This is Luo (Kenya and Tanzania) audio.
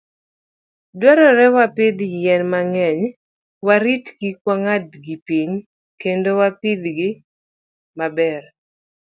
Dwarore wapidh yien mang'eny, waritgi kik ong'adgi piny, kendo wapidhi maber.